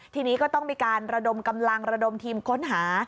ทีนี้ก็ต้องมีการระดมกำลังระดมทีมค้นหา